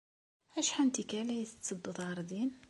Acḥal n tikkal ay tettedduḍ ɣer din?